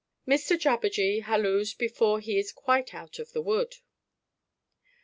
XXI _Mr Jabberjee halloos before he is quite out of the Wood.